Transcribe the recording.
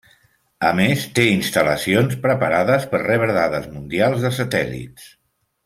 A més té instal·lacions preparades per rebre dades mundials de satèl·lits.